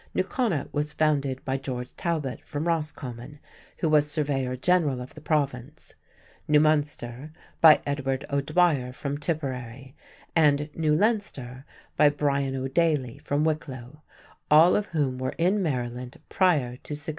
New Connaught was founded by George Talbot from Roscommon, who was surveyor general of the Province; New Munster, by Edward O'Dwyer from Tipperary; and New Leinster, by Bryan O'Daly from Wicklow, all of whom were in Maryland prior to 1683.